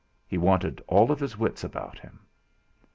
He wanted all his wits about him.